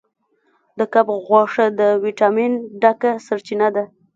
د کب غوښه د ویټامین ډکه سرچینه ده.